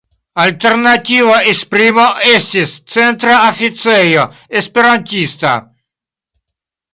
Alternativa esprimo estis "Centra Oficejo Esperantista".